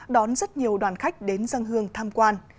đón rất nhiều đoàn khách đến dân hương tham quan